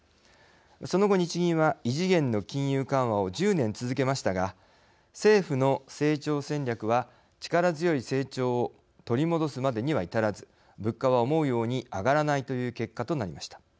その後、日銀は異次元の金融緩和を１０年続けましたが政府の成長戦略は力強い成長を取り戻すまでには至らず物価は思うように上がらないという結果となりました。